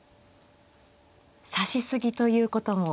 指し過ぎということも。